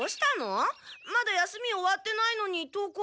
まだ休み終わってないのに登校するの？